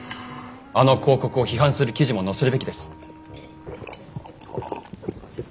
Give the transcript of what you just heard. あの広告を批判する記事も載せるべきです。